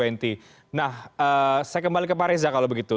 nah saya kembali ke pak reza kalau begitu